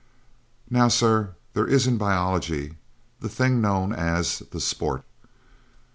"Now, sir, there is in biology the thing known, as the sport.